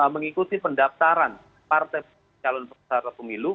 mengikuti pendaftaran partai calon peserta pemilu